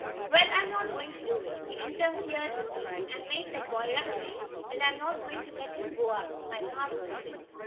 "Well, I'm not going to do it. He interfered with me, and made that boy run away, and I'm not going to let him go up my part of the creek."